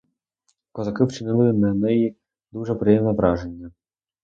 Козаки вчинили на неї дуже приємне враження.